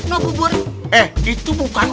nobu bur eh itu bukan